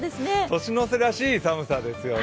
年の瀬らしい寒さですよね。